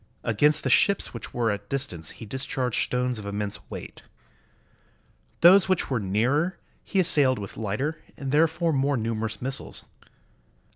Against the ships which were at a distance he discharged stones of immense weight. Those which were nearer he assailed with lighter, and therefore more numerous missiles.